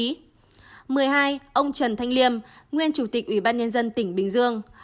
thứ mười hai ông trần thanh liêm nguyên chủ tịch ủy ban nhân dân tỉnh bình dương